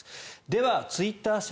では、ツイッター社